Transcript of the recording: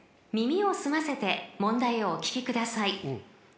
［耳を澄ませて問題をお聞きください］